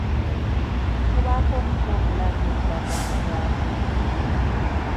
Kubaako omutwe ogulaga ekiragaanibwako.